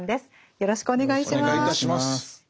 よろしくお願いします。